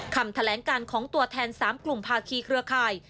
คำแถลงการของตัวแทน๓กลุ่มภาคีเครือข่าย